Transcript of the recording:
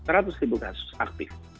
seratus ribu kasus aktif